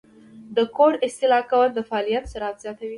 د کوډ اصلاح کول د فعالیت سرعت زیاتوي.